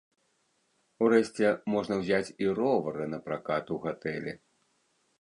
Урэшце, можна ўзяць і ровары напракат у гатэлі.